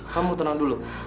kamu tenang dulu